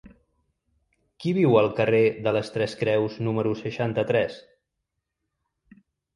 Qui viu al carrer de les Tres Creus número seixanta-tres?